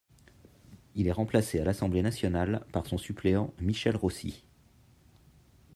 Il est remplacé à l'Assemblée nationale par son suppléant Michel Rossi.